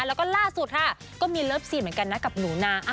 แล้วก็ล่าสุดค่ะก็มีเลิฟซีเหมือนกันนะกับหนูนา